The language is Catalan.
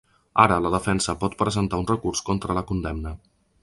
Ara la defensa pot presentar un recurs contra la condemna.